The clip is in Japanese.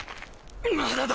まだだ！